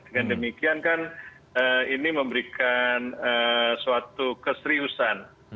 dengan demikian kan ini memberikan suatu keseriusan